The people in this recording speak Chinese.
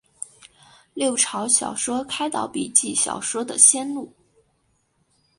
六朝小说开导笔记小说的先路。